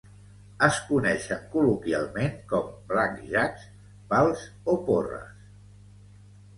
Es coneixen col·loquialment com blackjacks, pals o porres.